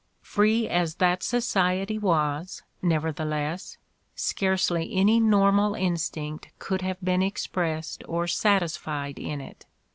Free as that society was, nevertheless, scarcely any normal instinct could have been expressed or satis fied in it.